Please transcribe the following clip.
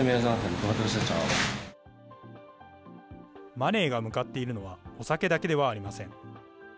マネーが向かっているのは、お酒だけではありません。